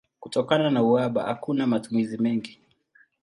Kutokana na uhaba hakuna matumizi mengi.